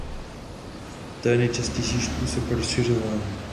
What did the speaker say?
To je nejčastější způsob rozšiřování.